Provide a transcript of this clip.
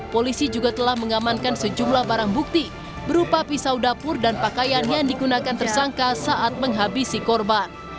polisi juga telah mengamankan sejumlah barang bukti berupa pisau dapur dan pakaian yang digunakan tersangka saat menghabisi korban